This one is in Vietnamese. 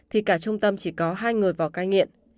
thì cả trung tâm chỉ có hai người vào cai nghiện